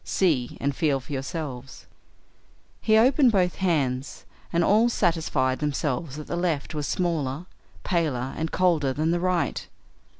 See and feel for yourselves." He opened both hands, and all satisfied themselves that the left was smaller, paler, and colder than the right.